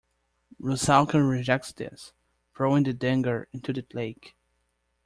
Rusalka rejects this, throwing the dagger into the lake.